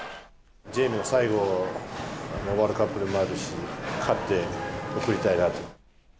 ジェイミーの最後のワールドカップでもあるし、勝って送りたいなと。